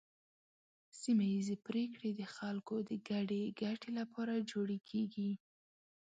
سیمه ایزې پریکړې د خلکو د ګډې ګټې لپاره جوړې کیږي.